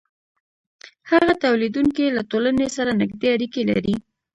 هغه تولیدونکی له ټولنې سره نږدې اړیکې لري